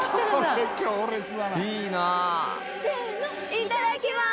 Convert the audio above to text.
いただきます！